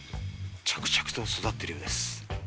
着々と育ってるようです。